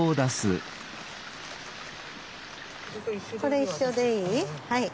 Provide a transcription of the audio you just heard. これ一緒でいい？